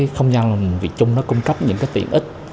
không gian làm việc chung cung cấp những tiện ích